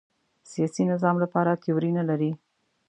سیاسي نظام لپاره تیوري نه لري